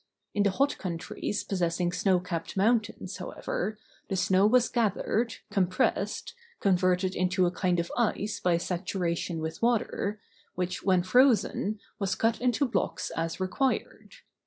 In the hot countries possessing snow capped mountains, however, the snow was gathered, compressed, converted into a kind of ice by saturation with water, which, when frozen, was cut into blocks, as required.